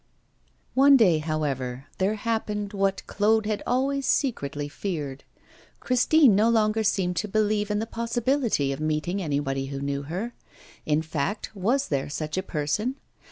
One day, however, there happened what Claude had always secretly feared. Christine no longer seemed to believe in the possibility of meeting anybody who knew her. In fact, was there such a person?